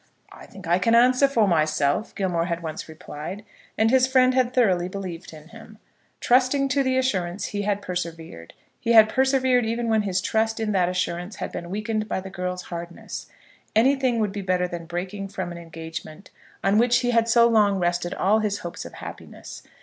"I think I can answer for myself," Gilmore had once replied, and his friend had thoroughly believed in him. Trusting to the assurance he had persevered; he had persevered even when his trust in that assurance had been weakened by the girl's hardness. Anything would be better than breaking from an engagement on which he had so long rested all his hopes of happiness.